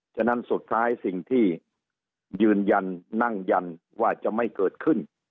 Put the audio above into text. ฉะนั้นสุดท้ายสิ่งที่ยืนยันนั่งยันว่าจะไม่เกิดขึ้น